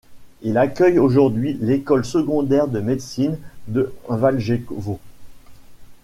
Il accueille aujourd'hui l'école secondaire de médecine de Valjevo.